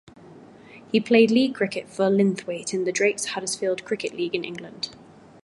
He played league cricket for Linthwaite in the Drakes Huddersfield Cricket League in England.